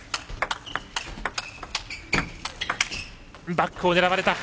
バックを狙われた。